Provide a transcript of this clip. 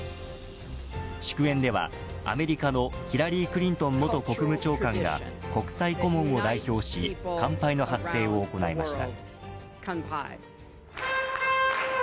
祝宴では、アメリカのヒラリー・クリントン元国務長官が国際顧問を代表し乾杯の発声を行いました。